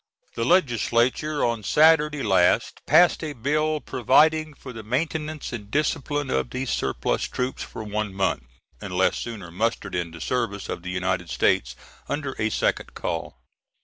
The Legislature on Saturday last passed a bill providing for the maintenance and discipline of these surplus troops for one month, unless sooner mustered into service of the United States under a second call.